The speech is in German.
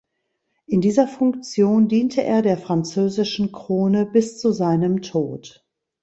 In dieser Funktion diente er der französischen Krone bis zu seinem Tod.